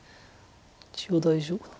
一応大丈夫。